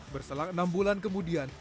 berselang enam bulan kemudian